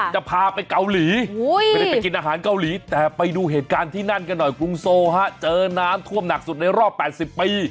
จะพาไปเกาหลีไม่ได้ไปกินอาหารเกาหลีแต่ไปดูเหตุการณ์ที่นั่นกันหน่อยกรุงโซฮะเจอน้ำท่วมหนักสุดในรอบ๘๐ปี